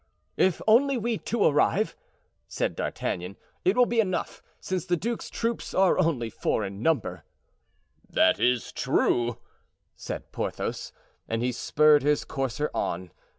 "If only we two arrive," said D'Artagnan, "it will be enough, since the duke's troop are only four in number." "That is true," said Porthos And he spurred his courser on.